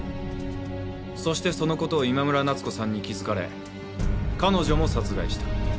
そしてその事を今村奈津子さんに気づかれ彼女も殺害した。